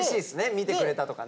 見てくれたとかね。